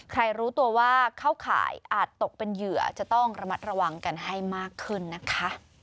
รู้ตัวว่าเข้าข่ายอาจตกเป็นเหยื่อจะต้องระมัดระวังกันให้มากขึ้นนะคะ